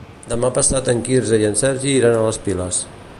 Demà passat en Quirze i en Sergi iran a les Piles.